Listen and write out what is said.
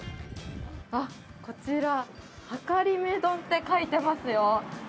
あっ、こちら、はかりめ丼って書いてありますよ。